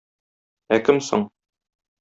Ә кем соң?